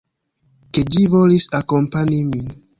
Ke ĝi volis akompani min.